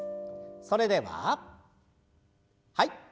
それでははい。